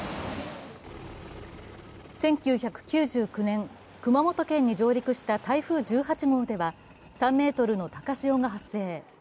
１９９９年、熊本県に上陸した台風１８号では３ｍの高潮が発生。